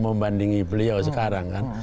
membandingi beliau sekarang kan